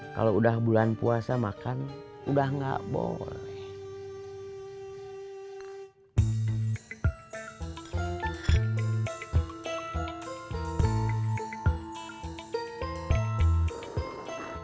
kalau udah bulan puasa makan udah gak boleh